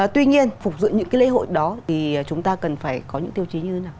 tuy nhiên phục dựng những lễ hội đó thì chúng ta cần phải có những tiêu chí như thế nào